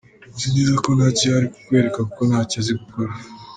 uzi neza ko ntacyo yari kukwereka kuko ntacyo azi gukora.